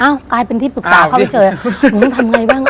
กลายเป็นที่ปรึกษาเข้าไปเจอหนูต้องทำไงบ้าง